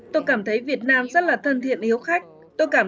tôi cảm thấy việt nam rất là thân thiện yêu khách tôi cảm